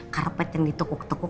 karpet yang ditukuk tukuk